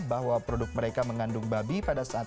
bahwa produk mereka mengandung babi pada saat